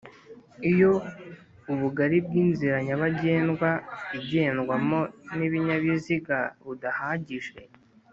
Iyo ubugari bw inzira nyabagendwa igendwamo n ibinyabiziga budahagije